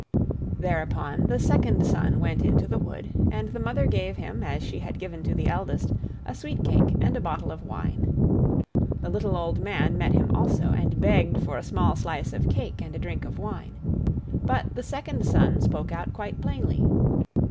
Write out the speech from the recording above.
Thereupon the second son went into the wood, and the Mother gave him, as she had given to the eldest, a sweet cake and a bottle of wine. The little old man met him also, and begged for a small slice of cake and a drink of wine. But the second son spoke out quite plainly.